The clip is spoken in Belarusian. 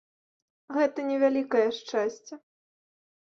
Гэта не вялікае шчасце.